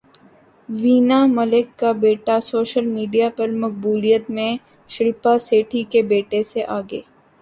وینا ملک کا بیٹا social media پر مقبولیت میں شلپا شیٹھی کے بیٹے سے آگے